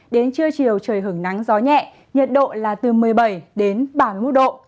đến trưa chiều trời hưởng nắng gió nhẹ nhiệt độ là từ một mươi bảy đến ba mươi một độ